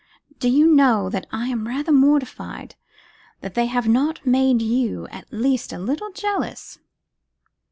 Do you know that I am rather mortified, that they have not made you at least a little jealous?